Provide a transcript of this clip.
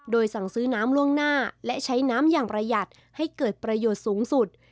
โดยสั่งซื้อน้ำล่วงหน้าและใช้น้ำอย่างประหยัดให้เกิดประโยชน์สูงสุด